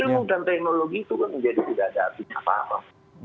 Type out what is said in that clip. ilmu dan teknologi itu kan menjadi tidak ada artinya apa apa